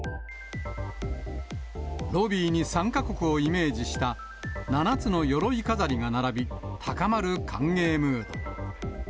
ロビーに参加国をイメージした７つのよろい飾りが並び、高まる歓迎ムード。